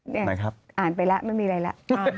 เนี่ยอ่านไปแล้วไม่มีอะไรละ